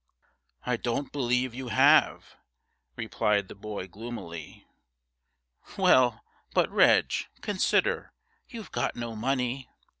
'I don't believe you have,' replied the boy gloomily. 'Well, but, Reg, consider; you've got no money.'